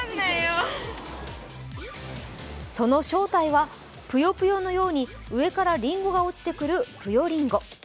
その正体は「ぷよぷよ」のように上からりんごが落ちてくる「ぷよりんご」。